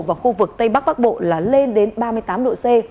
và khu vực tây bắc bắc bộ là lên đến ba mươi tám độ c